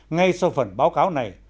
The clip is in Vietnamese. ngay sau phần báo cáo này